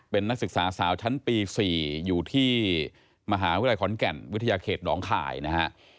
เป็นนักศึกษาสาวชั้นปี๔อยู่ที่มหาวิทยาลัยขอนแก่นวิทยาเขตหนองข่ายนะฮะ